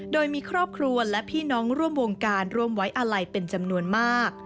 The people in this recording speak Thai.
โดยมีครอบครัวและพี่น้องร่วมวงการร่วมไว้อาลัยเป็นจำนวนมาก